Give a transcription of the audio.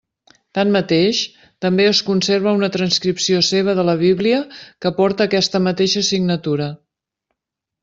Tanmateix, també es conserva una transcripció seva de la Bíblia que porta aquesta mateixa signatura.